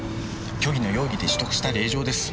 虚偽の容疑で取得した令状です。